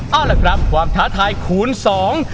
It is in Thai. เอาล่ะครับความท้าทายคูณสอง